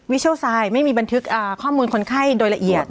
เชลไซด์ไม่มีบันทึกข้อมูลคนไข้โดยละเอียด